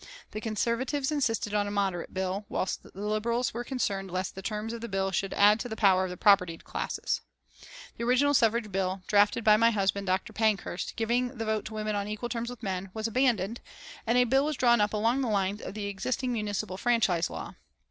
The Conservatives insisted on a moderate bill, whilst the Liberals were concerned lest the terms of the bill should add to the power of the propertied classes. The original suffrage bill, drafted by my husband. Dr. Pankhurst, giving the vote to women on equal terms with men, was abandoned, and a bill was drawn up along the lines of the existing municipal franchise law.